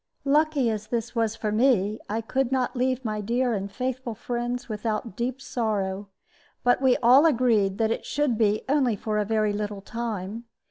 Lucky as this was for me, I could not leave my dear and faithful friends without deep sorrow; but we all agreed that it should be only for a very little time.